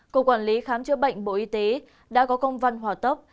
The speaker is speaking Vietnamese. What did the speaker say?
cục quản lý khám chữa bệnh bộ y tế đã có công văn hỏa tốc